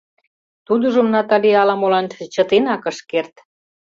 Тудыжым Натали ала-молан чытенак ыш керт.